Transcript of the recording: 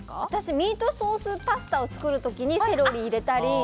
私ミートソースパスタを作る時にセロリ入れたり。